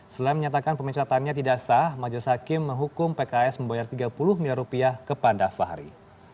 selain menyatakan pemecatannya tidak sah majelis hakim menghukum pks membayar tiga puluh miliar rupiah kepada fahri